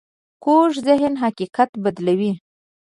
کوږ ذهن حقیقت بدلوي